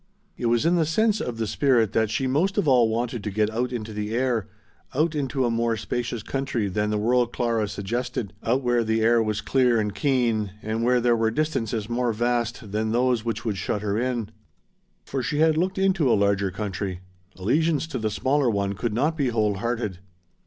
It was in the sense of the spirit that she most of all wanted to get out into the air, out into a more spacious country than the world Clara suggested, out where the air was clear and keen and where there were distances more vast than those which would shut her in. For she had looked into a larger country. Allegiance to the smaller one could not be whole hearted.